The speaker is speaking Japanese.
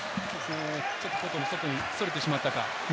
ちょっと外にそれてしまったか。